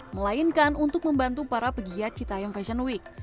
melainkan untuk membantu para pegiat cita young fashion week